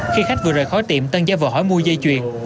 khi khách vừa rời khói tiệm tân giao vợ hỏi mua dây chuyền